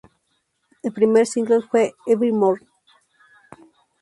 El primer single fue "Evermore".